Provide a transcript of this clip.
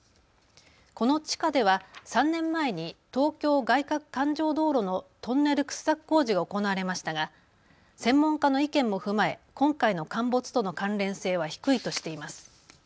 この地下では３年前に東京外かく環状道路のトンネル掘削工事が行われましたが、専門家の意見も踏まえ今回の陥没との関連性は低いとしています。